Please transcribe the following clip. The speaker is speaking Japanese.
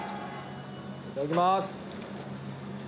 いただきます